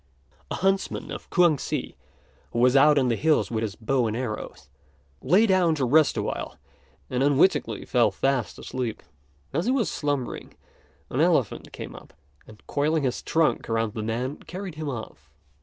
A huntsman of Kuang si, who was out on the hills with his bow and arrows, lay down to rest awhile, and unwittingly fell fast asleep. As he was slumbering, an elephant came up, and, coiling his trunk around the man, carried him off.